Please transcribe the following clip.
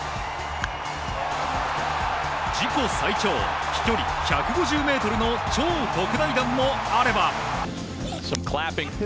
自己最長飛距離１５０ｍの超特大弾もあれば。